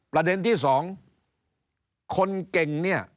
ประเด็นที่สองคนเก่งเนี่ย